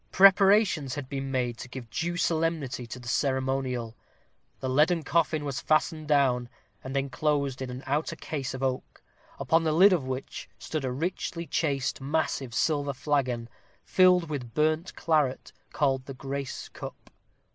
Preparations had been made to give due solemnity to the ceremonial. The leaden coffin was fastened down, and enclosed in an outer case of oak, upon the lid of which stood a richly chased massive silver flagon, filled with burnt claret, called the grace cup.